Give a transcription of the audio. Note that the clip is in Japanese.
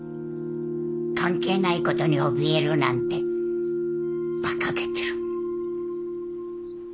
関係ないことにおびえるなんてばかげてる。